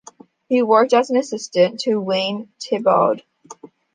He worked as an assistant to Wayne Thiebaud.